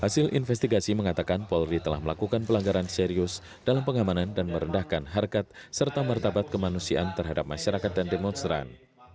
hasil investigasi mengatakan polri telah melakukan pelanggaran serius dalam pengamanan dan merendahkan harkat serta martabat kemanusiaan terhadap masyarakat dan demonstran